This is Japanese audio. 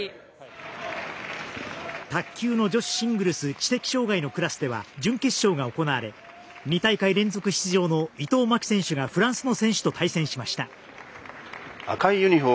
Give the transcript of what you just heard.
卓球の女子シングルス知的障がいのクラスでは準決勝が行われ２大会連続出場の伊藤槙紀選手がフランスの選手と対戦しました。